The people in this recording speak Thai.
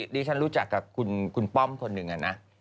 ดิฉันรู้จักกับคุณป้อมคนหนึ่งนะ